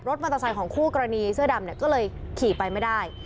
รถมันตะไซค์ของคู่กรณีเสื้อดำก็เลยขี่ไปไม่ได้